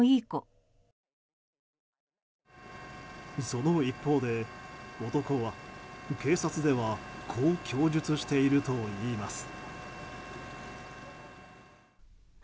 その一方で、男は警察ではこう供述しているといいます。